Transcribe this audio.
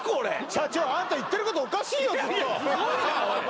社長あんた言ってることおかしいよずっとすごいなおい